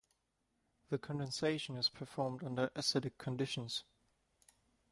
The condensation is performed under acidic conditions.